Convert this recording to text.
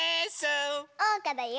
おうかだよ！